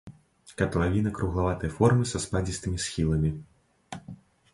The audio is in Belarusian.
Катлавіна круглаватай формы са спадзістымі схіламі.